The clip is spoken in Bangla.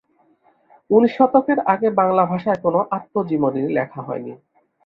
উনিশ শতকের আগে বাংলা ভাষায় কোনো আত্মজীবনী লেখা হয়নি।